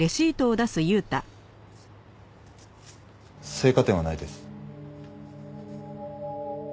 青果店はないです。